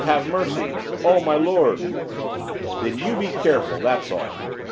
have mercy, oh my lord!' 'Then you be careful, that's all.